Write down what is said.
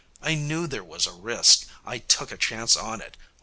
I knew there was a risk. I took a chance on it.